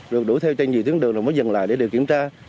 được đuổi theo trên nhiều tiếng đường rồi mới dừng lại để điều kiểm tra